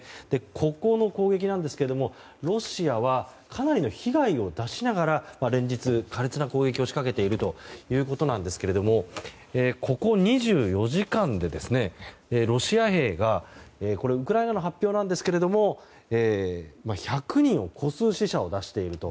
ここの攻撃ですがロシアはかなりの被害を出しながら連日過激な攻撃を仕掛けているということですがここ２４時間で、ロシア兵がウクライナの発表ですが１００人を超す死者を出していると。